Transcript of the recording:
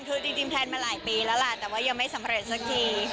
คือจริงแพลนมาหลายปีแล้วล่ะแต่ว่ายังไม่สำเร็จสักที